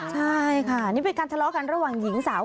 ใช่ค่ะนี่เป็นการทะเลาะกันระหว่างหญิงสาว